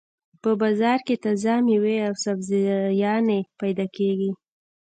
په بازار کې تازه مېوې او سبزيانې پیدا کېږي.